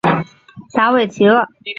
达韦齐厄。